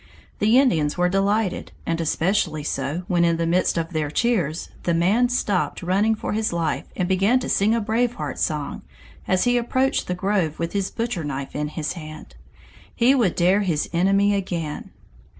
The Indians were delighted, and especially so when in the midst of their cheers, the man stopped running for his life and began to sing a Brave Heart song as he approached the grove with his butcher knife in his hand. He would dare his enemy again!